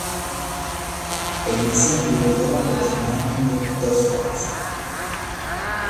El incendio duró aproximadamente dos horas.